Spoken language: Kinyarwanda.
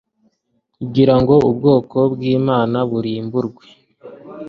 kugira ngo ubwoko bwImana burimburwe